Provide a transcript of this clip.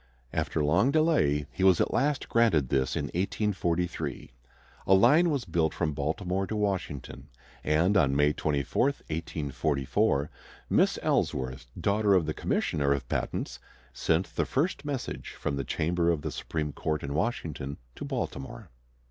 After long delay he was at last granted this in 1843. A line was built from Baltimore to Washington, and on May 24, 1844, Miss Ellsworth, daughter of the Commissioner of Patents, sent the first message from the chamber of the Supreme Court in Washington to Baltimore.